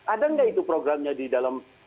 ada nggak itu programnya di dalam